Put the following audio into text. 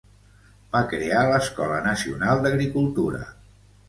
Va crear l'Escola Nacional d'Agricultura.